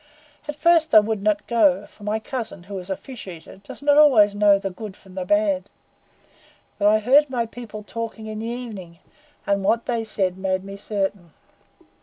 At first I would not go, for my cousin, who is a fish eater, does not always know the good from the bad; but I heard my people talking in the evenings, and what they said made me certain."